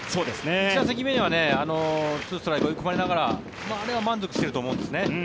１打席目は２ストライク、追い込まれながらあれは満足してると思うんですよね。